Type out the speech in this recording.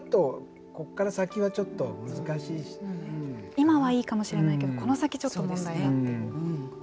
今はいいかもしれないけどこの先ちょっと問題がっていうことですよね。